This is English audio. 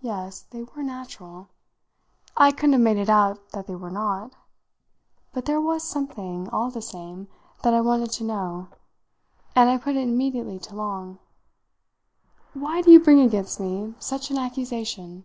Yes, they were natural. I couldn't have made it out that they were not. But there was something, all the same, that I wanted to know, and I put it immediately to Long. "Why do you bring against me such an accusation?"